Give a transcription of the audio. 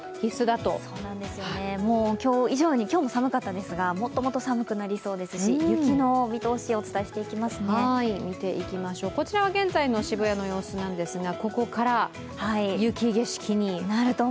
そうなんですよね、今日以上に、今日も寒かったんですがもっともっと寒くなりそうですし、雪の見通し、お伝えしていきますねこちらは現在の渋谷の様子なんですがここから雪景色に。